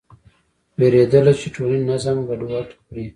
وېرېدل چې ټولنې نظم ګډوډ کړي.